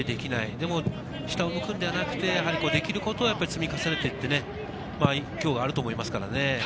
でも下を向くのではなくて、できることを積み重ねていってね、今日があると思いますからね。